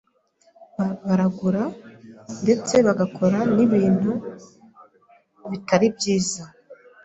baragura ndetse bagakora n’ibindi bintu bitari byiza